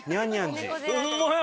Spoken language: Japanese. ホンマや！